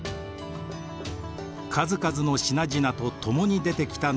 数々の品々と共に出てきたのは荷札です。